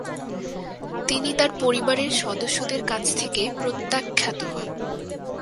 তিনি তার পরিবারের সদস্যদের কাছ থেকে প্রত্যাখ্যাত হন।